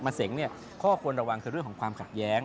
เสงเนี่ยข้อควรระวังคือเรื่องของความขัดแย้ง